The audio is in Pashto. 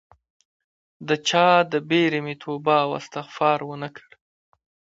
د چا د بیرې مې توبه او استغفار ونه کړ